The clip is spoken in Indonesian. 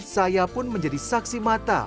saya pun menjadi saksi mata